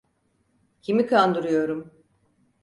Kimi kandırıyorum?